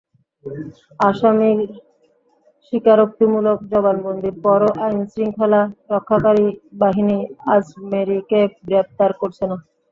আসামির স্বীকারোক্তিমূলক জবানবন্দির পরও আইনশৃঙ্খলা রক্ষাকারী বাহিনী আজমেরীকে গ্রেপ্তার করছে না।